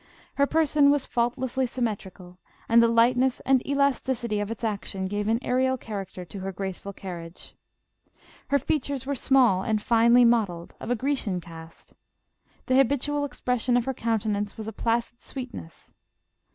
Her person was faultlessly symmetrical, and the light ness and elasticity of its action gave an aerial character to her graceful carriage. Her features were small and finely modelled, of a Grecian cast. The habitual ex pression of her countenance was a placid sweetness.